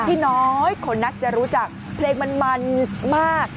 ที่น้อยคนนักจะรู้จักเพลงมันมันมาก